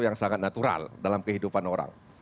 yang sangat natural dalam kehidupan orang